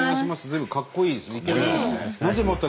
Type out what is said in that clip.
随分かっこいいですね。